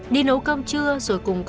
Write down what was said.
đi nấu cơm trưa rồi cùng về nhà